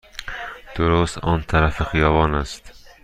درست آن طرف خیابان است.